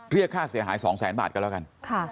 เรียกค่าเสียหาย๒แสนบาทกันแล้วกัน